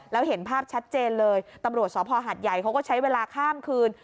แล้วเห็นภาพชัดเจนเลยตำรวจสภหัดใหญ่เขาก็ใช้เวลาข้ามคืน